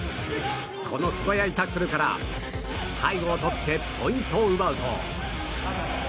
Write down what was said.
この素早いタックルから背後をとってポイントを奪うと。